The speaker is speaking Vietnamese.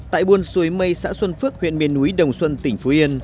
tại buôn suối mây xã xuân phước huyện miền núi đồng xuân tỉnh phú yên